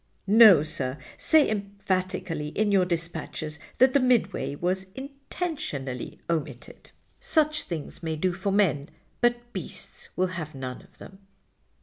"No, sir. Say emphatically in your dispatches that the Midway was intentionally omitted. Such things may do for men, but beasts will have none of them."